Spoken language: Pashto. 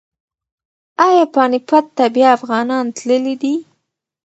ایا پاني پت ته بیا افغانان تللي دي؟